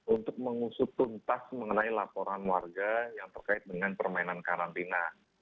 untuk mengusut tuntas mengenai laporan warga yang terkait dengan permainan karantina